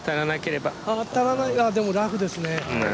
ああ、でもラフですね。